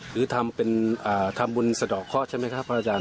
หรือทำเป็นทำบุญสะดอกเคาะใช่ไหมครับพระอาจารย์